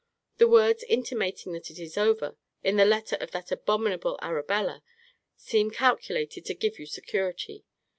The words intimating that it is over, in the letter of that abominable Arabella, seem calculated to give you security.